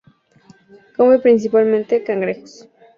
Come principalmente cangrejos.